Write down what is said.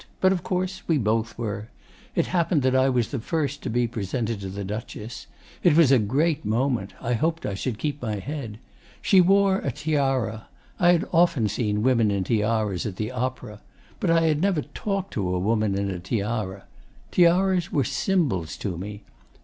But of course we both were. It happened that I was the first to be presented to the Duchess.... It was a great moment. I hoped I should keep my head. She wore a tiara. I had often seen women in tiaras, at the Opera. But I had never talked to a woman in a tiara. Tiaras were symbols to me.